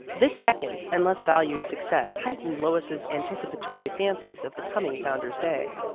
This second and less valued success heightened Lois's anticipatory fancies of the coming Founder's Day.